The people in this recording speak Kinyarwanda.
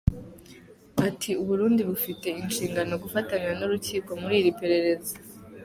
Ati “U Burundi bufite inshingano gufatanya n’Urukiko muri iri perereza.